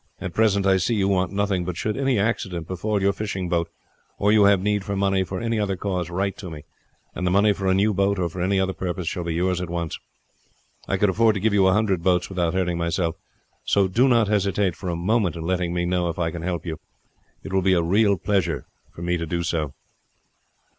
At present I see you want nothing, but should any accident befall your fishing boat, or you have need for money for any other cause, write to me, and the money for a new boat or for any other purpose shall be yours at once. I could afford to give you a hundred boats without hurting myself, so do not hesitate for a moment in letting me know if I can help you. It will be a real pleasure to me to do so."